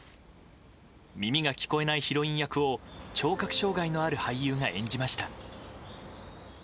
耳が聞こえないヒロイン役を聴覚障害のある俳優が演じました。